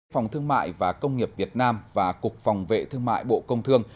phòng thương mại và công nghiệp việt nam và cục phòng vệ thương mại bộ công thương